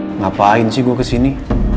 kenapa lo gak percaya sih gue kesini